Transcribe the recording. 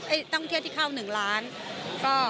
ท่องเที่ยวที่เข้า๑ล้าน